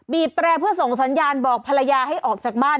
แตรเพื่อส่งสัญญาณบอกภรรยาให้ออกจากบ้าน